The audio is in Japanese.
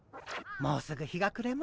もうすぐ日がくれます。